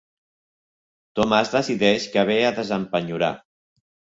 Tomàs decideix que ve a desempenyorar.